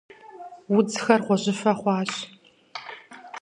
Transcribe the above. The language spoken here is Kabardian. Удзхэр гъуэжьыфэ хъуащ.